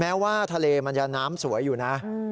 แม้ว่าทะเลมันจะน้ำสวยอยู่นะ